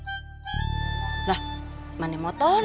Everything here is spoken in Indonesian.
nah iya gak ada motor